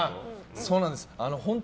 そうなんです。